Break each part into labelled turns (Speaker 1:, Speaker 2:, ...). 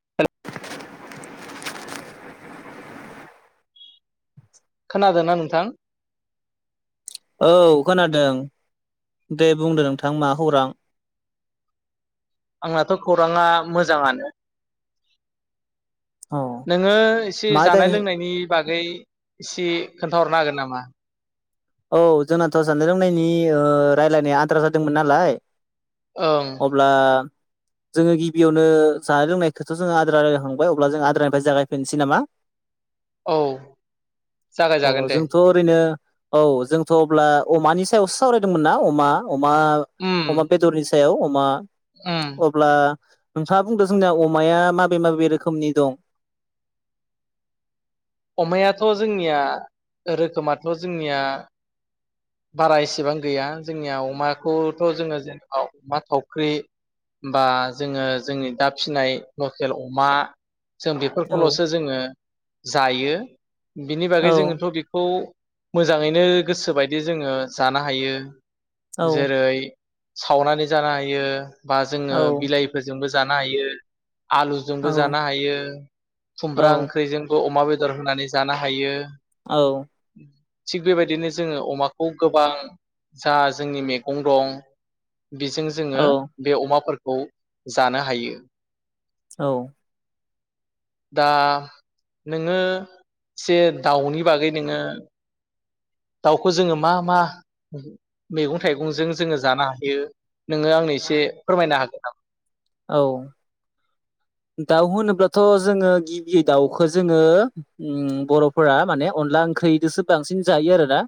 Speaker 1: [inaudible]
Speaker 2: खोनादोंना नोंथां?
Speaker 1: औ खोनादों दे बुंदो नोंथां मा खौरां?
Speaker 2: आंनाथ' खौराङा मोजाङानो।
Speaker 1: औ
Speaker 2: नोङो एसे
Speaker 1: मा
Speaker 2: जानाय
Speaker 1: आयदानि
Speaker 2: लोंनायनि बा गै एसे खोन्थाहरनो हागोन नामा?
Speaker 1: औ जोंनाथ' जानानाय लोंनायनि ओ रायलायनाया आद्रा जादोंमोन नालाय।
Speaker 2: ओं
Speaker 1: अब्ला! जोङो गिबियावनो जानाय लोंनायखौथ' जोङो आद्रा रायलायखांबाय अब्ला जों आद्रानिफ्राय जागायफिननोसै नामा?
Speaker 2: औ
Speaker 1: अ
Speaker 2: जागायजागोन दे
Speaker 1: जोंथ' ओरैनो। औ जोंथ' अब्ला अमानि सायावसो सावरायदोंमोन ना अमा। अमा
Speaker 2: उम
Speaker 1: अमा बेदरनि स सायाव अमा
Speaker 2: उम
Speaker 1: अब्ला नोंथाङा बुंदों जोंनिया अमाया माबे माबे रोखोमनि दं?
Speaker 2: अमायाथ' जोंनिया रोखोमाथ' जोंनिया बारा एसेबां गैया जोंनिया अमाखौथ' जोङो जेनेबा अमा थावख्रि बा जोङो जोंनि दा फिनाय लकेल अमा। जों
Speaker 1: औ
Speaker 2: बेफोरखौल'सो जोङो । जायो। बिनि
Speaker 1: औ
Speaker 2: बागै जोङोथ' बेखौ मोजाङैनो गोसोबायदि जोङो जानो हायो
Speaker 1: औ
Speaker 2: जेरै सावनानै जानो हायो बा जोङो
Speaker 1: औ
Speaker 2: बिलाइफोरजोंबो जानो हायो आलुजोंबो
Speaker 1: औ
Speaker 2: जानो हायो खुमब्रा
Speaker 1: औ
Speaker 2: ओंख्रिजों अमा बेदर होनानै जानो हायो
Speaker 1: औ
Speaker 2: थिग बेबायदिनो जोङो अमाखौ गोबां जा जोंनि मेगं दं बेजों जोङो
Speaker 1: औ
Speaker 2: बे अमाफोर खौ जानो हायो
Speaker 1: औ
Speaker 2: दा नोङो जे दाउनि बागै नोङो दाउखौ जोङो मा मा मैगं थाइगंजों जोङो जानो हायो नोङो आंनो एसे फोरमायनो हागोन नामा?
Speaker 1: औ दाउ होनोब्लाथ' जोङो गिबियै दाउखौ जोङो बर'फोरा ओम माने अनला ओंख्रिजोंसो बांसिन जायो आरोना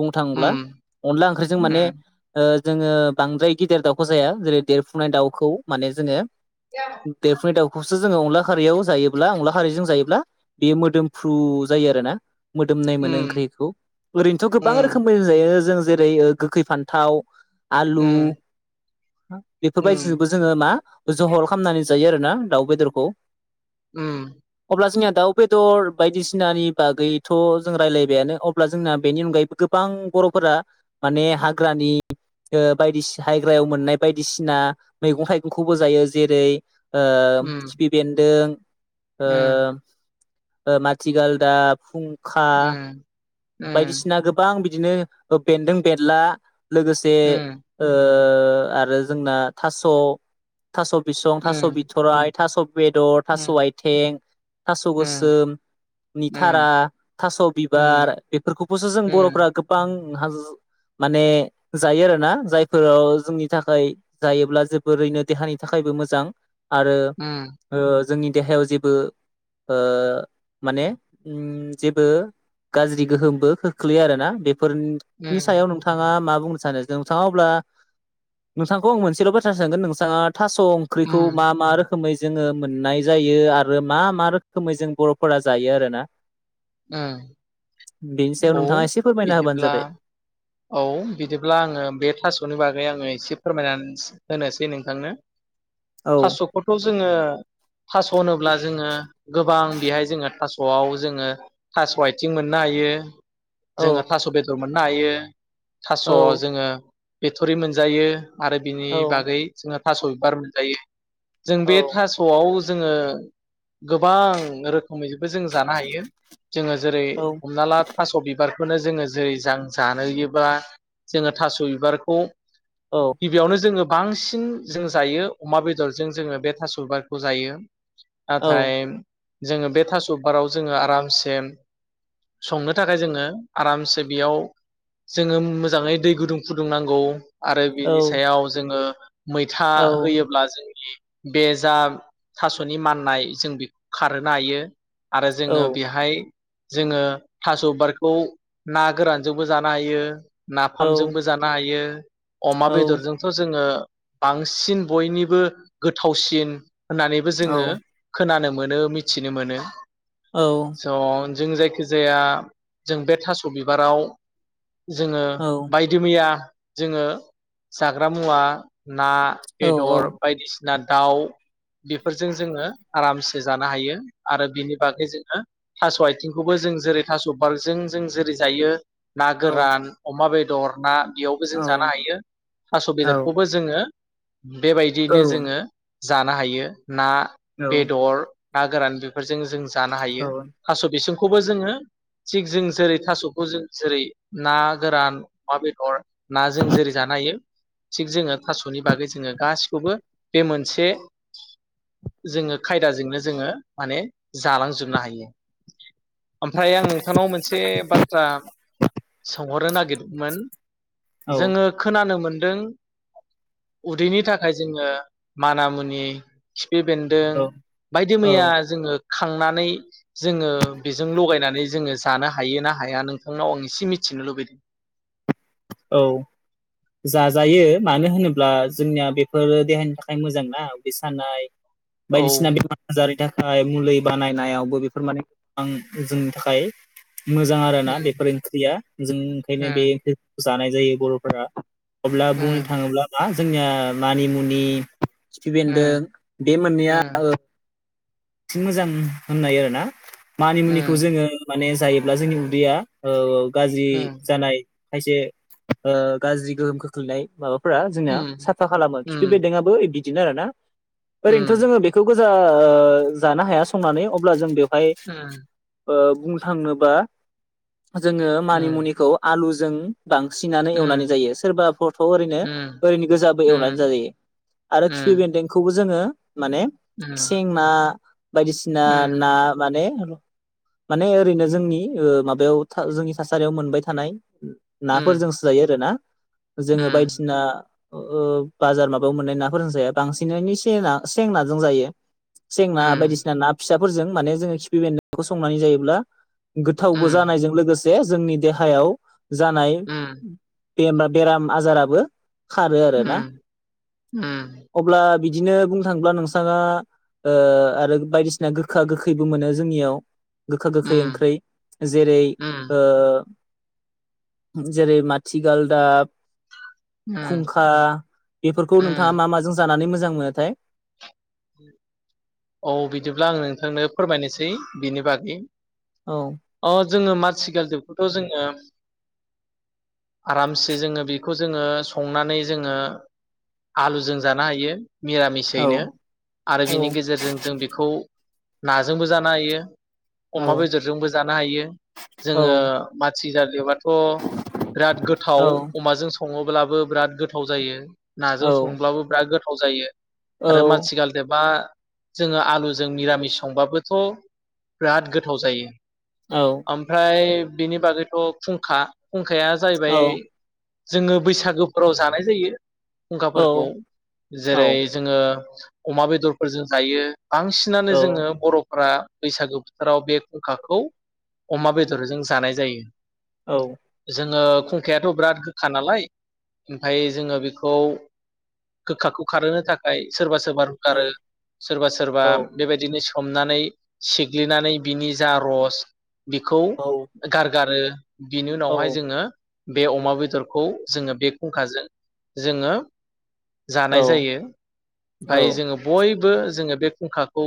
Speaker 1: बुंनो थाङोब्ला
Speaker 2: उम
Speaker 1: अनला ओंख्रिजों माने
Speaker 2: उम
Speaker 1: ओ जोङो बांद्राय गेदेर दाउखौ जाया जेरै देरफुनाय दाउखौ माने जोङो देरफुनाय दावखौसो सो जोङो अनला खारियाव जायोब्ला अनला खारिजों जायोब्ला बेयो मोदोमफ्रु जायो आरोना मोदोमनाय मोनो ओंख्रिखौ
Speaker 2: उम
Speaker 1: जेरै ओ गोखै फान्थाव आलु
Speaker 2: उम उम
Speaker 1: बेफोरबायदिजोंबो जोङो मा जहर खालामनानै जायो आरो ना दाउ बेदरखौ
Speaker 2: ओम
Speaker 1: अब्ला जोंनिना दाउ बेदर बायदिसिनानि बागैथ' जों रायलायबायानो अब्ला जोंना बेनि अनगायैबो गोबां बर'फोरा माने हाग्रानि बायदिसि हाग्रायाव मोननाय बायदिसिना मैगं थाइगंखौबो जायो जेरै ओ
Speaker 2: उम
Speaker 1: खिफि बेन्दों
Speaker 2: उम
Speaker 1: ओ माथिगालदाब फुं खा
Speaker 2: उम
Speaker 1: बायदिसिना गोबां बि दिनो ओ बेन्दों बेनला लोगोसे
Speaker 2: उम
Speaker 1: ओ ओ आरो जोंना थास' थास' बिसं थास
Speaker 2: उम
Speaker 1: बिथ'राइ, थास' बेदर, थास'
Speaker 2: उम उम
Speaker 1: आथि, थास'
Speaker 2: उम
Speaker 1: गोसोम नि थारा थास'
Speaker 2: उम
Speaker 1: बिबार बेफोरखौबोसो जों बर'फ्रा गोबां ओं हाज माने जायो आरोना जायफोराव जोंनि थाखाय जायोब्ला जोबोरैनो देहानि थाखायबो मोजां आरो ओ जोंनि देहायाव जेबो ओ माने ओम जेबो गाज्रि गोहोमबो खोख्लैयो आरोना बे
Speaker 2: उम
Speaker 1: फोरनि सायाव नोंथाङा माब बुंनो सानो नोंथाङा अब्ला नोंथांखौ आं मोनसेल' बाथ्रा सोंगोन नोंथाङा थास' ओंख्रिखौ
Speaker 2: उम
Speaker 1: मा रोखोमै जोङो मोननाय जायो आरो मा मा रोखोमै जों बर'फोरा जायो आरोना
Speaker 2: उम
Speaker 1: बेनि सायाव
Speaker 2: औ
Speaker 1: नोंथाङा एसे फोरमायना होबानो
Speaker 2: बिदिब्ला
Speaker 1: जाबाय।
Speaker 2: औ बिदिब्ला आङो बे थास'नि बागै आङो एसे फोरमायनानै होनो होनोसै नोंथांनो।
Speaker 1: औ
Speaker 2: थास'खौथ' जोङो थास'होनोब्ला जोङो गोबां बेहाय जोङो थासआव जोङो थास‌ आइथिं मोननो हायो जोङो
Speaker 1: औ
Speaker 2: थास बेदर मोननो हायो थास
Speaker 1: औ
Speaker 2: जोङो बिथरि मोनजायो आरो बिनि
Speaker 1: औ
Speaker 2: बागै जोङो थास बिबार मोनजायो। जों
Speaker 1: औ
Speaker 2: बे थासआव जोङो गोबां रोखोमैबो जों जानो हायो जोङो जेरै
Speaker 1: औ
Speaker 2: हमना ला थास बिबार खौनो जोङो जै जां जानो [unintelligible] बा जोङो थास बिबारखौ
Speaker 1: औ
Speaker 2: गिबियावनो जोङो बांसिन जों जायो अमा बेदरजों जोङो बे थास‌ बिबारखौ जायो।
Speaker 1: औ
Speaker 2: नाथाय जोङो बे थास‌बबाराव जोङो आरामसे संनो थाखाय जोङो आरामसे बेयाव जोङो मोजाङै दै गुदुं फुदुं नांगौ आरो
Speaker 1: औ
Speaker 2: बिनि सायाव जोङो मैथा
Speaker 1: औ
Speaker 2: होयोब्ला जोंनि बे जा थास'नि माननाय जों बेखौ खारहोनो हायो आरो
Speaker 1: औ
Speaker 2: जोङो बेहाय जोङो थास‌' बिबारखौ ना गोरानजोंबो जानो हायो।
Speaker 1: औ
Speaker 2: नाफामजोंबो जानो हायो। [inaudible] अमा बेदरजोंथ' जोङो बांसिन बयनिबो गोथावसिन होननानैबो
Speaker 1: औ
Speaker 2: जोङो खोनानो मोन मोनो मिथिनो मोनो। [unintelligible] जों जायखिजाया जों बे थास' बिबाराव जोङो
Speaker 1: औ
Speaker 2: बायदि मैया जोङो जाग्रा मुवा ना
Speaker 1: औ
Speaker 2: बेदर बायदिसि ना दाउ बेफोरजों जोङो आरामसे जानो हायो आरो बिनि बागै जोङो थास' आथिंखौबो जों जेरै थास' बारजों जों जेरै जायो ना गोरान अमा बेद दर ना बेयावबो जों जानो हायो थास' बेदरखौबो जोङो बेबायदियैनो जोङो जानो हायो। ना बेदर ना गोरान बेफोरजों जों जानो हायो थास' बिसं खौबो जोङो थिग जों जेरै थास'खौ जों जेरै ना गोरान अमा बेदर ना जों जेरै जानो हायो थिग जोङो थास'नि बागै जोङो गासिखौबो बे मोनसे जोङो खायदाजोंनो जोङो माने जालांजोबनो हायो। ओमफ्राय आं नोंथांनाव मोनसे बाथ्रा सोंहरनो नागिर मोन।
Speaker 1: औ
Speaker 2: जोङो खोनानो मोन दों उदैनि थाखाय जोङो माना मुनि खिफि बेन्दों
Speaker 1: औ
Speaker 2: बायदि मैया जोङो खांनानै जोङो बेजों लगायनानै जोङो जानो हायो ना हाया नों थांनाव आं एसे मिथिनो लुबैदों।
Speaker 1: औ जाजायो मानो होनोब्ला जोंनिया बेफोरो देहानि थाखाय मोजां ना उदै सानाय
Speaker 2: औ
Speaker 1: बायदिसिना बेमार आजारनि थाखाय मुलि बानायनायावबो बेफोर माने गोबां जोंनि थाखाय। मोजां आरो
Speaker 2: उम
Speaker 1: ना बेफोर ओंख्रिया जों ओंखायनो बे
Speaker 2: उम
Speaker 1: ओंख्रि जानाय जायो बर'फोरा अब्ला बुंनो थाङोब्ला मा जोंनिया मानिमुनि खिफि
Speaker 2: उम
Speaker 1: बेन्दों बे मोननैया
Speaker 2: उम
Speaker 1: ओ मोजां होननाय आरोना मानिमुनिखौ
Speaker 2: उम
Speaker 1: जोङो माने जायोब्ला जोंनि उदैया ओ गाज्रि
Speaker 2: उम
Speaker 1: जानाय खायसे ओ गाज्रि गोहोम खोख्लैनाय माबा फोरा जोंना साफा खालामो
Speaker 2: उम
Speaker 1: खिफि बेदोंआबो [unintelligible] बिदिनो आरोना
Speaker 2: उम
Speaker 1: ओरैनोथ' जोङो बेखौ जा जानो हाया संनानै अब्ला जों बे
Speaker 2: उम
Speaker 1: ओ बुंनो थांनोबा जोङो
Speaker 2: उम
Speaker 1: मानिमुनिखौ आलु जों बांसिनानो एवनानै जायो सोरबाफोरथ' ओरैनो
Speaker 2: उम
Speaker 1: ओरैनो गोजाबो
Speaker 2: उम
Speaker 1: एवनानै जायो आरो खिफि बेन्दों खौबो जोङो माने सेंना बायदिसिना
Speaker 2: उम
Speaker 1: ना माने माने ओरैनो जोंनि ओ माबायाव था जोंनि थासारियाव मोनबाय थानाय नाफोरजोंसो जायो आरो ना। जोङो बायदिसिना ओ बाजार माबायाव मोननाय नाफोरजों जाया बांसिनै सेना सेंनाजों जायो। सेंना
Speaker 2: उम उम
Speaker 1: बायदिसिना ना फि साफोरजों माने जोङो खिफिबेनदोंखौ संनानै जायोब्ला गोथावबो जानायजों लोगोसे जोंनि देहायाव जानाय बेमा बेराम आजाराबो खारो आरो ना अब्ला बिदिनो बुंनो थांङोब्ला नोंथाङा ओ आरो बायदिसिना गोखा गोखैबो मोनो जोंनियाव। गोखा गोखै ओंख्रि जेरै
Speaker 2: उम
Speaker 1: ओ जेरै माथिगालदाब
Speaker 2: उम
Speaker 1: खुंखा बेफोरखौ
Speaker 2: उम
Speaker 1: नोंथाङा मा माजों जानानै मो मोजां मोनो थाय?
Speaker 2: औ बिदिब्ला आं नोंथांनो फोरमायनोसै बिनि बागै
Speaker 1: औ
Speaker 2: अ जोङो माथिगालदाब खौथ' जोङो आरामसे जोङो बेखौ जोङो संनानै जोङो आलुजों जानो हायो।
Speaker 1: औ
Speaker 2: मिरामिसयैनो आरो बिनि गेजेरजों जों बेखौ नाजोंबो जानो हायो
Speaker 1: औ
Speaker 2: अमा बेदरजोंबो जानो हायो जोङो
Speaker 1: औ
Speaker 2: मा माथिगाल [unintelligible] थ' बिराद
Speaker 1: औ
Speaker 2: गोथाव अमाजों सङोबा अब्लाबो बिराद गोथाव जायो। नाजों
Speaker 1: औ
Speaker 2: संब्लाबो बिराद गोथाव थाव जायो
Speaker 1: औ
Speaker 2: आरो मासिगाल बा जोङो आलुजों निरामिस संबाबोथ' बिराद गोथाव जायो। ओमफ्राय बेनि बागैथ' फुंखा खुंखाया
Speaker 1: औ
Speaker 2: जाहैबाय जोङो बैसागुफोराव जानाय जायो। खुंखाफोरखौ
Speaker 1: औ
Speaker 2: जेरै- जोङो अमा बेदरफोरजों जायो। बांसिनानो
Speaker 1: औ
Speaker 2: जोङो बर'फ्रा बैसागु बोथोराव बे खुंखाखौ अमा बेदरजों जानाय जायो।
Speaker 1: औ
Speaker 2: जोङो खुंखायाथ' बिराद गोखा नालाय ओमफ्राय जोङो बेखौ गोखाखौ खारहोनो थाखाय सोरबा-सोरबा
Speaker 1: औ
Speaker 2: आरो सोरबा-सोरबा
Speaker 1: औ
Speaker 2: बेबायदिनो हमनानै सिग्लिनानै बिनि जा रस बिखौ
Speaker 1: औ
Speaker 2: गारगारो बिनि उनावहाय
Speaker 1: औ
Speaker 2: जोङो बे अमा बेदरखौ जोङो बे खुंखाजों जोङो जानाय
Speaker 1: औ
Speaker 2: जायो
Speaker 1: औ
Speaker 2: ओमफाय जोङो बयबो जोङो बे खुंखाखौ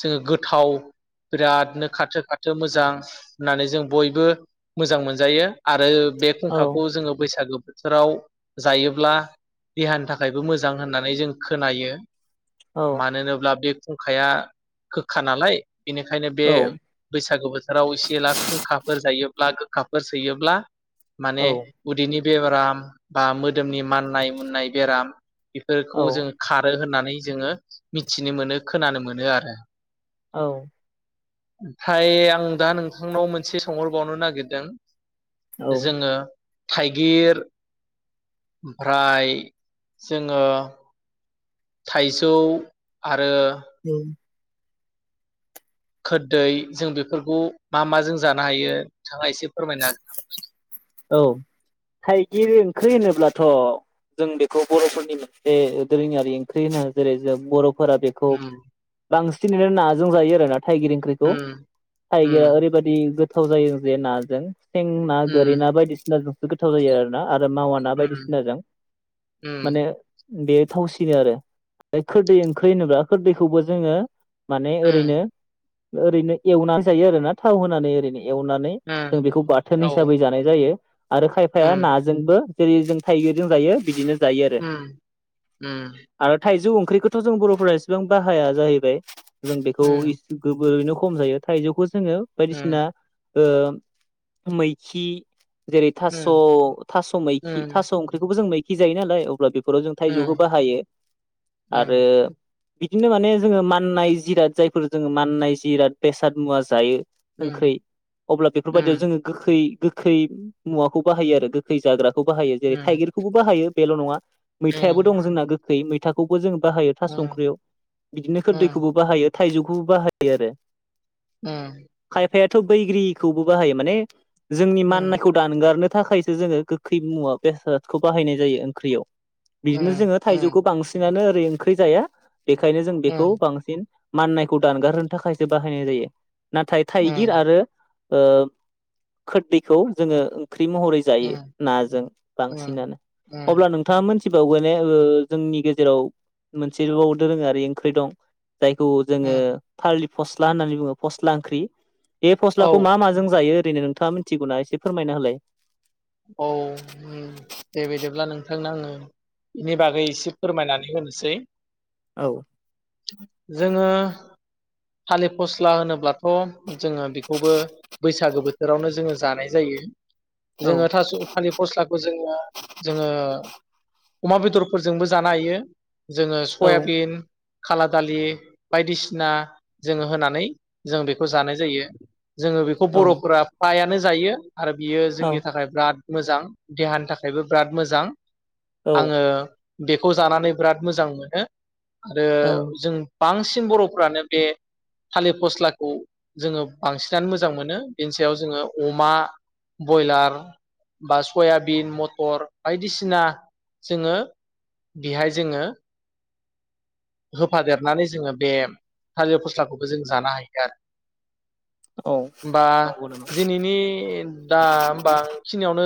Speaker 2: जोङो गोथाव बिरादनो खाथो- खाथो मोजां होननानै जों बयबो मोजां मोनजायो आरो बे
Speaker 1: औ
Speaker 2: खुंखाखौ जोङो बैसागु बोथोराव जायोब्ला, देहानि थाखायबो मोजां होननानै जों खोनायो। मानो होनोब्ला बे खुंखाया गोखा नालाय। बेनिखायनो बे बैसागु बोथोराव एसे ला खुंखाफोर जायोब्ला गो- खाफोर सोयोब्ला
Speaker 1: औ
Speaker 2: माने उदिनि बेराम बा मोदोमनि माननाय मुनाय बेराम बेफोरखौ जों खारो होनना- नै जोङो। मिथिनो मोनो खोनानो मोनो आरो।
Speaker 1: औ
Speaker 2: ओमफ्राय आं दा नोंथांनाव मोनसे सोंहरबावनो नागिरदों।
Speaker 1: औ
Speaker 2: जोङो। थाइगिर ओमफ्राय जोङो। थाइजौ आरो।
Speaker 1: ओम।
Speaker 2: खोरदै जों बेफोरखौ मा मा जों जानो हायो नोंथाङा एसे। फोरमायनो हागोन नामा?
Speaker 1: औ थाइगिर ओंख्रि होनोब्लाथ' जों बेखौ बर'फोरनि मोनसे दोरोङारि ओंख्रि होनो जेरै जों बर'। फोरा बेखौ
Speaker 2: उम
Speaker 1: बांसि सिनो नाजों जायो आरोना। थाइगिर ओंख्रिखौ
Speaker 2: उम उम
Speaker 1: थाइगिरा ओरैबायादि गोथाव जायो जे नाजों। हेन्ना ना गुरि
Speaker 2: उम
Speaker 1: ना। [inaudible] गोथाव जायो आरो ना। आरो मावा ना
Speaker 2: उम
Speaker 1: बायदिसिनाजों माने।
Speaker 2: उम
Speaker 1: बे थावसिनो आरो खोरदै ओंख्रि होनोब्ला खोरदैखौबो जोङो माने ओरैनो
Speaker 2: उम
Speaker 1: ओरैनो एवनानै जायो आरोना थाव होनानै ओरैनो। एवनानै जों
Speaker 2: उम
Speaker 1: बेखौ बाथोन
Speaker 2: औ
Speaker 1: हिसाबै जानाय जायो आरो खायफाया
Speaker 2: उम
Speaker 1: नाजोंबो जेरै जों थाइग्रिजों जायो बिदिनो जायो आरो,
Speaker 2: उम उम
Speaker 1: आरो थाइजौ ओंख्रिखौथ' जों बर'फोरा एसेबां बाहाया जाहैबाय जों बेखौ
Speaker 2: उम
Speaker 1: इ गोबोरैनो खम जायो थाइजौखौ जोङो बायदिसिना ओ मैखि जेरै थास' थास' मैखि थास' ओंख्रिखौबो जों मै खि जायो नालाय अब्ला बे फोराव जों थाइजौखौ बाहायो आरो बिदिनो माने जोङो माननाय जिराद जायफोर जोङो माननाय जिराद बेसाद मुवा जायो ओंखोरै अब्ला बेफोरबायदियाव जोङो गोखै खै मुवाखौ बाहायो आरो गोखै जाग्रा खौ बाहायो जेरै थाइगिरखौबो बाहायो बेल' नङा मैथायाबो दं जोंना गोखै मैथ थाखौबो जोङो बाहायो थास संख्रियाव बिदिनो खोददैखौबो बाहायो थाइजौखौबो बाहायो आरो
Speaker 2: ओम
Speaker 1: फायाथ' बैग्रिखौबो बाहायो माने जोंनि माननायखौ दानगारनो थाखायसो जोङो गोखै मुवा बेसादखौ बाहायनाय जायो ओंख्रियाव बिदिनो जोङो थाइजौखौ बांसिनानो ओरै ओंख्रि जाया बेखायनो जों बेखौ बांसिन माननायखौ दानगार होनो थाखायसो बाहायनाय जायो नाथाय थाइगिर आरो ओ खोरदैखौ जोङो ओंख्रि महरै जायो नाजों बांसिनानो अब्ला नोंथाङा मोनथि थिबावगोने ओ जोंनि गेजेराव मोनसेल' दोरोङारि ओंख्रि दं जायखौ जोङो थालित फस्ला होननानै बुङो फस्ला ओंख्रि बे
Speaker 2: औ
Speaker 1: फस्लाखौ मा माजों जायो [unintelligible] थाङा मिथिगौना एसे फोरमायना होलाय
Speaker 2: औ दे बिदिब्ला नोंथांनो आङो बेनि बागै एसे फोरमायनानै होनोसै
Speaker 1: औ
Speaker 2: जोङो थालित फस्ला होनोब्लाथ' जोङो बेखौबो बैसागो बोथोरावनो जोङो जानाय जायो
Speaker 1: औ
Speaker 2: जोङो थास' थालिर फस्लाखौ जोङो जोङो अमा बेदरफोरजोंबो जानो हायो जोङो
Speaker 1: औ
Speaker 2: सयाबिन खाला दालि बायदिसिना जोङो होनानै जों बेखौ जानाय जायो जोङो बेखौ बर'फोरा फ्रायानो जायो आरो बियो
Speaker 1: औ
Speaker 2: जोंनि थाखाय बिराद मोजां देहानि थाखायबो बिराद मोजां
Speaker 1: औ
Speaker 2: आङो बेखौ जानानै बिराद मोजां मोनो
Speaker 1: औ
Speaker 2: आरो बांसिन बर'फ्रानो बे थालिर फस्लाखौ जोङो बांसिनानो मोजां मोनो बेनि सायाव जोङो अमा बयलार बा सयाबिन मटर बायदिसिना जोङो बेहाय जोङो होफादेरनानै जोङो बे थालिर फस्लाखौबो जों जानो हायो
Speaker 1: औ
Speaker 2: आरो [inaudible] बा
Speaker 1: नंगौ नामा
Speaker 2: दिनैनि दा होमबाखिनियावनो